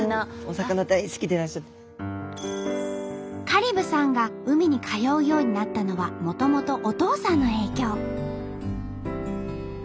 香里武さんが海に通うようになったのはもともとお父さんの影響。